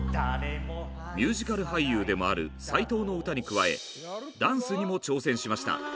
ミュージカル俳優でもある斎藤の歌に加えダンスにも挑戦しました。